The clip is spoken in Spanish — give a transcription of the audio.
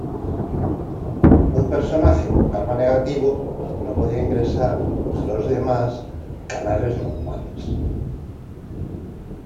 Un personaje con Karma negativo no podía ingresar a los demás canales normales.